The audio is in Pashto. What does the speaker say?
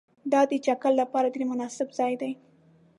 دا د چکر لپاره ډېر مناسب ځای دی